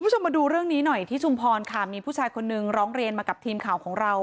คุณผู้ชมมาดูเรื่องนี้หน่อยที่ชุมพรค่ะมีผู้ชายคนนึงร้องเรียนมากับทีมข่าวของเรา